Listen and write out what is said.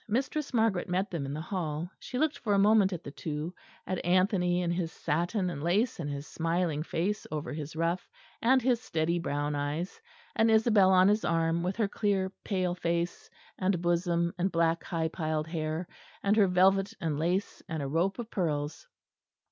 Mistress Margaret met them in the hall. She looked for a moment at the two; at Anthony in his satin and lace and his smiling face over his ruff and his steady brown eyes; and Isabel on his arm, with her clear pale face and bosom and black high piled hair, and her velvet and lace, and a rope of pearls.